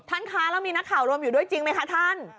คะแล้วมีนักข่าวรวมอยู่ด้วยจริงไหมคะท่าน